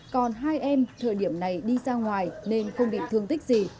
còn hai em thời điểm này đi ra ngoài nên không bị thương tích gì